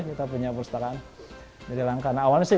kita punya perpustakaan